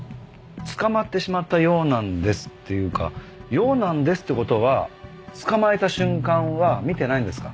「捕まってしまったようなんです」っていうか「ようなんです」って事は捕まえた瞬間は見てないんですか？